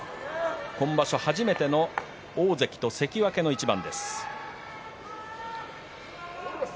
今場所初めての大関と関脇の一番。